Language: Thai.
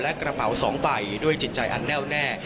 และกระเป๋า๒ใบด้วยจิตใจอันแน่วแน่